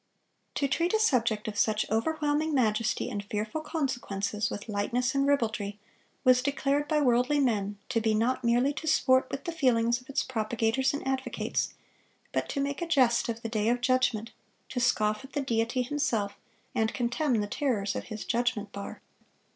"To treat a subject of such overwhelming majesty and fearful consequences," with lightness and ribaldry, was declared by worldly men to be "not merely to sport with the feelings of its propagators and advocates," but "to make a jest of the day of judgment, to scoff at the Deity Himself, and contemn the terrors of His judgment bar."